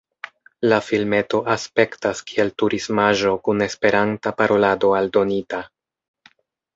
La filmeto aspektas kiel turismaĵo kun esperanta parolado aldonita.